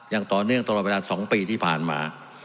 อย่างต่อเนื่องตลอดเวลา๒ปีที่ผ่านมา